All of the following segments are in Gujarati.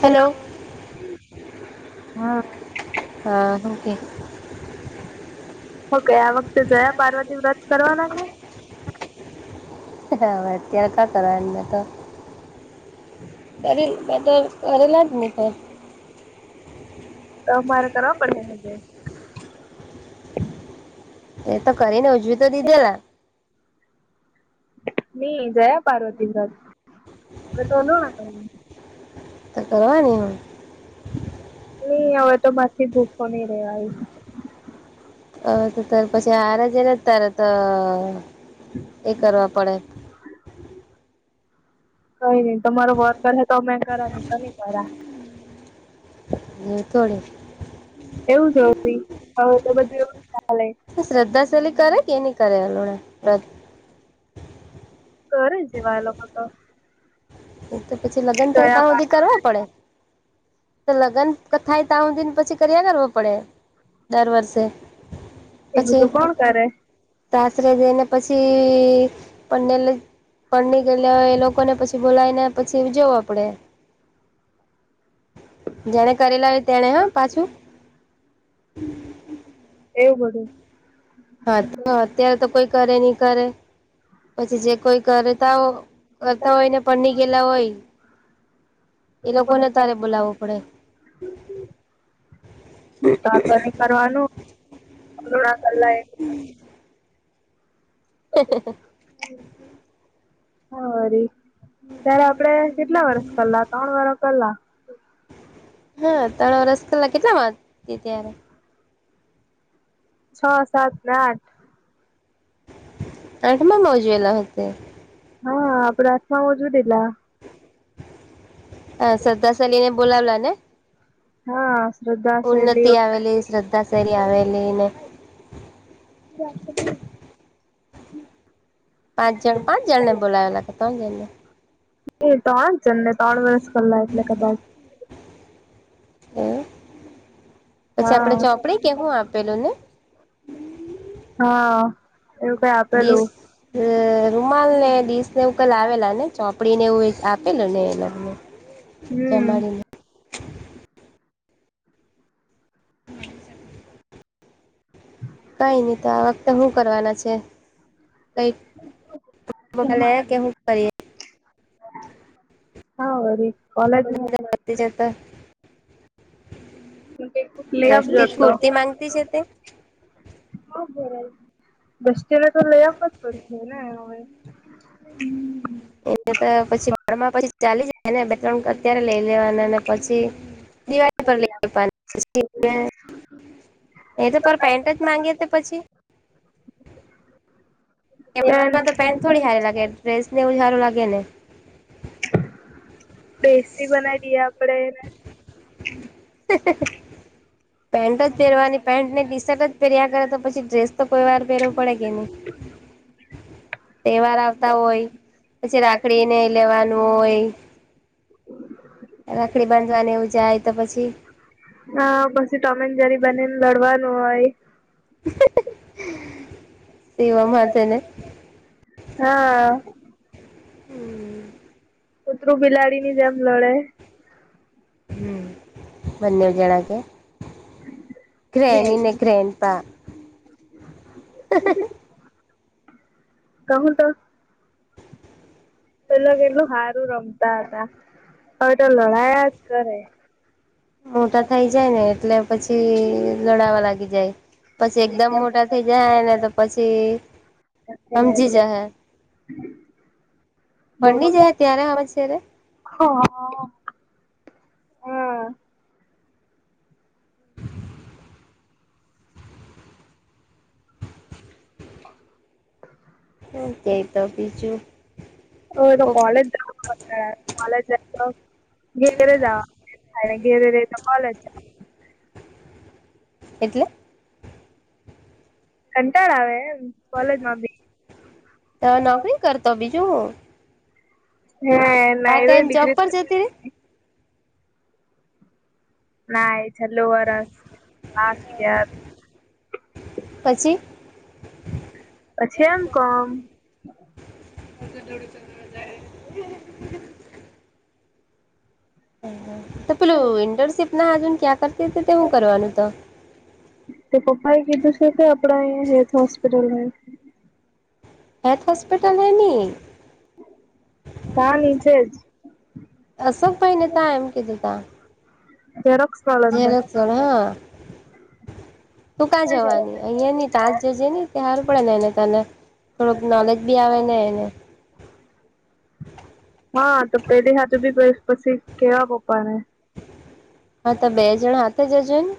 હલો, હું કેય? ઓકે આ વખતે જયા પાર્વતી વ્રત કરવાના છે? હવે અત્યારે કા કર એમને તો. કર તો કરેલા જ હી. મારા કર કરવા પડેજે. એ તો કરીને ઉજવી તો દીધેલા. નહી જયા પાર્વતી જ આપણે તો ન ના કર. તો કરવાની હ. નઈ હવે તો મસ્થી ભૂખો નહી રેવાય. હવે તો ત્યારે પછી હરે જને તારે તો એ કરવા પડે. કઈ નહી તમારો વર્ગર હ તો અમે કર નહી તમે કર. [unintelligible] એવું જ હોય તો બધું એવું ચાલે. શ્રદ્ધાશલી કરે કે નહી કરે હલણા શધા? કરે જ જેવાય લોકો લોકો તો. તો પછી લગ્ન થાય ત્યા સુધી કરવા પડે. તો લગ્ન કથાય તઉ દિન પછી કર્યા કરો પડે. દર વર્ષે, પછી સાસરે જઈને પછી પને પની ગયેલા એ લોકોને પછી પછી બોલાવીને પછી જવા પડે. જેને કરેલા હો તેને હા પાછું. એવું બધું. હા તો અત્યારે તો કોઈ કરે નહી કરે પછી જે કોઈ કરે તો આવો કરતા હોય ને પની ગેયેલા હોય એ લોકો ને તારે બોલાવો પડે. [unintelligible] ની કરવાનુ [unintelligible] હ. [inaudible] હા રે. ત્યારે આપડે કેટલા વરસ કરલા ત્રણ વર્ષ કરલા. હા ત્રણ વર્ષ કરા કેટલા વા ત્યારે છ, સાત, ને આઠ. આઠમા ઉજવેલા હતા. હા આપે હથમા ઓ ઉજવેલા. હ શધા સલીને બોલાવલા ને? હા. ઉન્નતિ આવેલી શ્રદ્ધા શૈલી આવેલી ને [inaudible] પાંચ જણ પાંચ જણને બોલાયા કે ત્રણ જણને? એ ત્રણ જણને ત્રણ વર્ષ કરલા એટલે કદાચ. હમ પછી આપડે ચોપડી કેવું આપેલું ને? હા એવું કઈ આપેલું. રૂમાલ ને ડીશ ને એવું કલ આવેલા ને ચોપડીને એવું [unintelligible] લોકને જેમાડીને. કઈ નહી તો આ વખતે શું કરવાના છે કંઈક [unintelligible] હું કરીએ. હા રે કોલેજ જતા. [unintelligible] હ બરા બસેને તો લઈ આવવા જ પડશે ને હવે. હમ. એ તો પછી મારામાં પછી ચાલી જાય ને બે ત્રણ અત્યારે લઈ લેવા પછી દિવાળી પર [unintelligible] એ તો પર પેન્ટ જ માંગી હતી પછી. એમાં તો પેન્ટ થોડી સારી લાગે ડ્રેસ ને એવું સારું લાગે ને. બેસી બનાવી દઈએ આપડેને? [inaudible] પેન્ટ જ પહેરવાની પેન્ટ ને ટી શર્ટ જ પહેર્યા કરે તો પછી ડ્રેસ તો કોઈ વાર પહેરવું પડે કે નહીં. [inaudible] તહેવાર આવતા હોય પછી રાખડીને લેવાનું હોય [inaudible] રાખડી બાંધવાને એવું જાય તો પછી હા પછી ટોમેન જરી બનીને લડવાનું હોય. એેવામાં છે ને. હા. હમ્મ. કૂતરું બિલાડી ની જેમ લડે. હમ. બંને જણા કે ગ્રેની ને ગ્રેનપા. [unintelligible] કહું તો પેલા કેટલું હારું રમતા હતા, હવે તો લડાયા જ કરે. મોટા થઈ જાય ને એટલે પછી ઈઈ લડવા લાગી જાય પછી એકદમ મોટા થઇ જાહેને તો પછી હમજી જહે પરની જહે ત્યારે હમજ છે રે.. હહ હમ્મ. હું કેય તો બીજું? હોવે તો કોલેજ જાવાનો કંટાળો આવે. કોલેજ જાય તો ઘેરે જવા નુ ઘેરે રેય તો કોલે જા એટલે? કંટાળ આવે એમ કોલેજમાં બી તા નોકરી કરતો બીજું હું હે ના [unintelligible] નાય છેલ્લુ વરસ આજ [unintelligible] પછી પછી એમ. કોમ. હત [unintelligible] [inaudible] તો પેલું ઇન્ટરનશીપ ના હજુન ક્યાં કરતી હતી તે હું કરવાનું તો. તે પપ્પા એ કીધું છે કે આપડા અયા હેલ્થ હોસ્પિટલમા એમ. હેથ હોસ્પિટલ હેની? તા નીચે જ. અશોક ભાઈને તા એમ કીધુ તા. ઝેરોક્ષ વાલા ન તા. [unintelligible] તૂકા જવાની અહીંયા ની તાજ જજે ને તા હારુ પડે ને એને તને. થોડુંક નોલેજ બી આવે ને એને. હા તો પેલી હાજે બી પછી કેવા પપ્પા ને. હા તો બે જણા હાથે જજોની.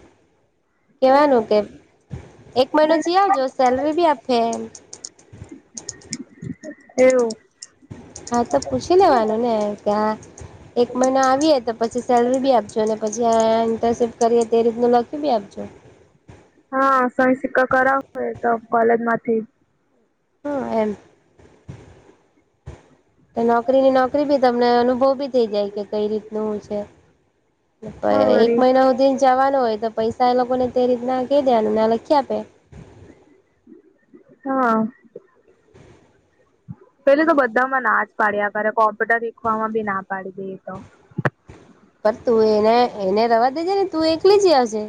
કેવાનું કે એક મહિનો જીઆવજો સેલરી ભી આપે હે. [inaudible] હા તો પૂછી લેવાનું ને. કયાં? એક મહિના આવીએ તો પછી સેલરી બી આપજો ને પછી ઇન્ટર્નશીપ કરીએ તે રીતનું લખી બી આપજો. હા સહી સિક્કા કરાવ તો કોલેજ માંથી હમ્મ એમ. નોકરીની નોકરી ભી તમને અનુભવ બી થઇ જાય કે કઈ રીતનું છે. એક મહિના હુધી જવાનો હોય તો પૈસા એ લોકોને તે રીતના કઈ દેવાનું ને આ લખી આપે. હ. પેલી તો બધામાં ના જ પાડ્યા કરે કોમ્પ્યુટર હીખવામાં બી ના પાડી દેય એતો પર તું એને એને રવા દેજે ને તું એકલી જી આવજે.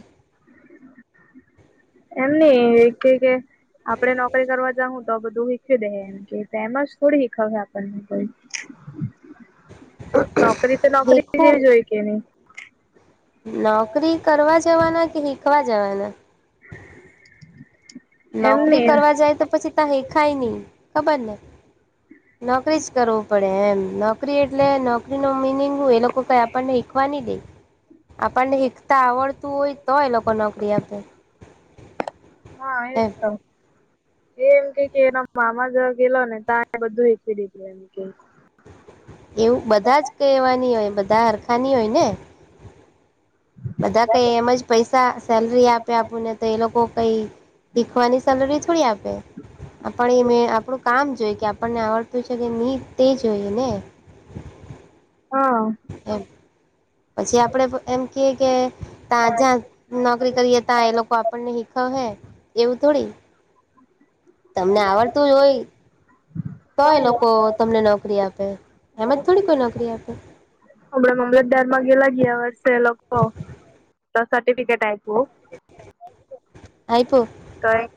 એમ ની કે કે આપડે નોકરી કરવા જાવુ તો બધું હીખ્વી દેહે. કે તેમજ થોડી હીખવહે આપણને કોઈ. નોકરી તો નોકરી જેવી જ હોય કે ની. નોકરી કરવા જવાના કે હીખવા જવાના? [inaudible] નોકરી કરવા જાય તો પછી ત્યા હિકાય નહી ખબર ને. નોકરી જ કરવું પડે એમ નોક નોકરી એટલે નોકરી નો મિનિંગ હું એ લોકો કંઈ આપણને હીખવા ની દે. આપણને હીખતા આવડતું હોય તો એ લોકો નોકરી આપે. હ એજ તો. એ એમ કે કે એનો મામા જા ગેલો ને તા એને બધું હીખી લીધું એમ કે. એવું બધા જ કઈ એવા ની હોય બધા હરખાની હોય ને. બધા કઈ એમ જ પૈસ તા સેલરી આપે આપને તો એ લોકો કઈ શીખવાની સેલરી થોડી આપે. આપને એ મે આપણું કામ જોય કે આપણને આવડતું છે કે ની તે જોઈએ ને. હા. એ પછી આપડે એમ કે કે ત્યાં જ નોકરી કરીએ તા એ લોકો આપણને હિખવ હે એવું થોડી. તમને આવડતું જ હોય. તો એ લોકો તમને નોકરી આપે એમ જ થોડી કોઈ નોકરી આપે. હમણાં મામલતદારમાં ગયેલા ગયા વર્ષ લોકો તો સર્ટીફીકેટ આઈપુ. આઇપુ. કઈ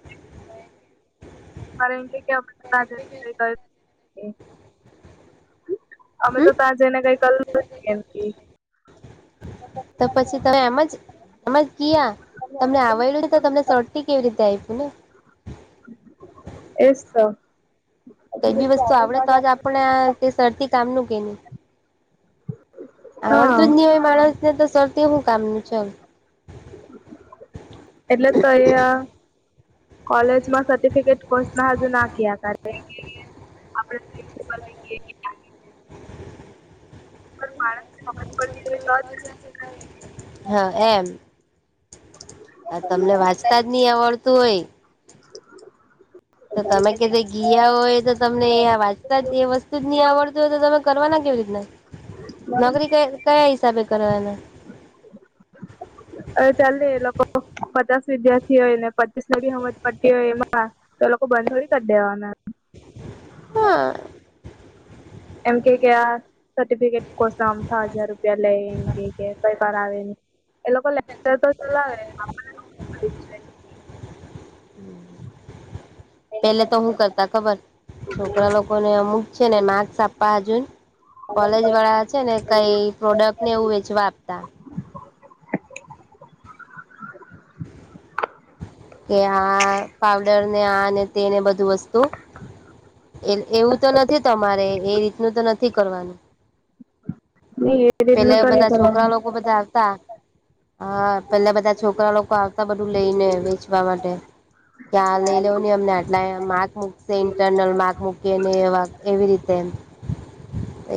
કારણ કે [unintelligible] અમે તો ત્યાં જઈને કઈ કાલુજ નહિ કેમ કે તો પછી તમે એમ જ એમ જ ગિયા તમને આવેલું ને તો તમને શટી કેવી રીતે આપ્યું ને. એ જ તો. કઈ બી વસ્તુ આવડે તો જ આપણે આ શટી કામનું કે ની. આવડતું જ નહી હોય માણસ ને તો સર્ટી હું કામનું [unintelligible] એટલે તો એયા કોલેજમાં સર્ટિફિકેટ કોર્સમાં હજુ ના કિયા કરે કારણ આપડે [unintelligible] હા એમ. હા તમને વાંચતા જ નહી આવડતું હોય. [inaudible] તો તમે કે દે ગીયા હોય તો તમને એ વાંચતા જ એ વસ્તુ જ નહી આવડતું હોય તો તમે કરવાના કેવી રીતના. નોકરી કયા કયા હિસાબે કરવા ના. હવે ચાલની એ લોકો પચાસ વિદ્યાર્થી હોય ને પચીસ ની હમજ હોય એમાં તો લોકો બંધ થોડી કરી દેવાના. હા. એમ કે કે આ સર્ટિફિકેટ કોર્સ ના હમ તાજ હજાર રૂપિયા લઈ એમ કે કે કઈ આવે ની. એ લોકો લેક્ચર તો ચલાવે આ પેલે તો હું કર તા ખબર છોકરા લોકોને અમુક છે ને માર્સ આપવા હજુ કોલેજ વાળા છે ને કઈ પ્રોડક્ટ ને એવું વેચવા આપતા. [inaudible] કે આ પાવડર ને આને તેને બધું વસ્તુ એ એવું તો નથી તમારે એ રીતનું તો નથી કરવાનું. ની એ રીતની તો ની કરવાનું. બો બધ આવતા હા પેલા બધા છોકરા લોકો આવતા બધું લઈને વેચવા માટે. ત્યાં લઈ લીયોની અમને આટલા માર્ક મુકશે ઇન્ટરનલ માર્ક મૂકી ને એવી રીત તેમ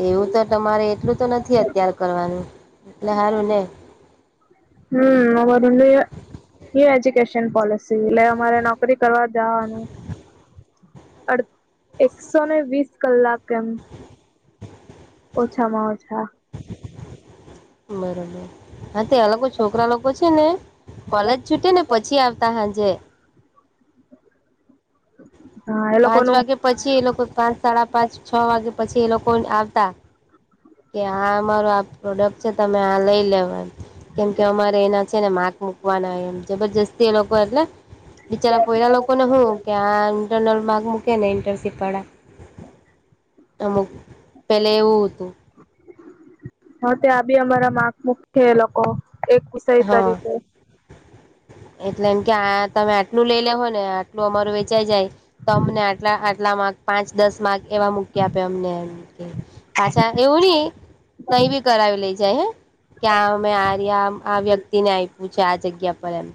એવું તો તમારે એટલું તો ત્યાર કરવાનું એટલે સારું ને હમ્મ અમારું ન્યુ ન્યુ એજ્યુકેેશન કોલેજ સી એટલે અમારે નોકરી કરવા જવાનું. [unintelligible] એકસોને વીસ કલાક એમ. ઓ્છામાં ઓછા બરાબર હા તે અલગ છોકરા લોકો છે ને કોલેજ છૂટે ને પછી આવતા હાંજે પાંચ વાગે પછી એ લોકો પાંચ સાડા પાંચ છ વાગે પછી એ લોકો આવતા કે આા અમારો આ પ્રોડક્ટ છે તમે આ લઈ લેવાનું કેમ કે અમારે એના છે ને માક મુૂકવાના એમ જબરજસ્તી એ લોકો એટલે બિચારા પલા લોકોને હું કે આ ઇન્ટરનલ માર્ક મૂકે ને ઇન્ટરશીપ વાળા અમુક પેલે એવું હતું હા ત્યા આ બી અમારા માક મુખ છે એ લોકો એક વિષય તરીકે એટલે એમ કે આ તમે આટલું લઈ લે હોો ને આટલું અમારું વેચાઈ જાય તો અમને આટલા આટલા માર્ક પાંચ દસ માર્ક એવા મૂકી આપે અમને એમ કે પાછા એવું નહી તઈ બી કરાવી લઈ જાય હે કે આ અમે આર્યા આ વ્યક્તિને આપ્યું છે આ જગ્યા પર એમ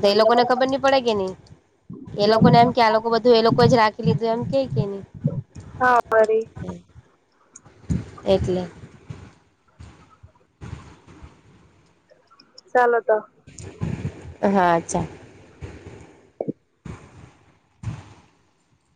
તો એ લોકોને ખબર નહી પડે કે નહી એ લોકો ને એમ કે આ લોકો બધું એ લોકો જ રાખી લીધું એમ કે કે નહી હારી એકલેખ ચાલ તો હા અચ્છા